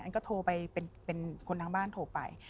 ก็โทรไปเป็นคนทางบ้านโทรไป